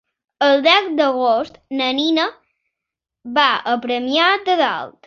El deu d'agost na Nina va a Premià de Dalt.